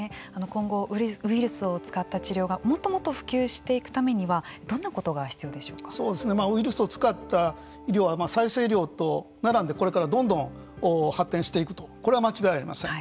今後ウイルスを使った治療がもっともっと普及していくためにはウイルスを使った医療は再生医療と並んでこれからどんどん発展していくとこれは間違いありません。